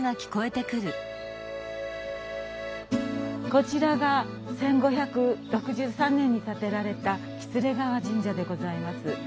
こちらが１５６３年に建てられた喜連川神社でございます。